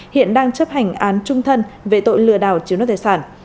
hiện đang chấp hành án trung thân về tội lừa đảo chiếu nốt thể sản